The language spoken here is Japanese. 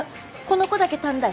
この子だけ短大。